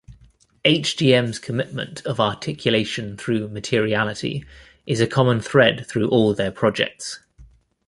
HdM's commitment of articulation through materiality is a common thread through all their projects.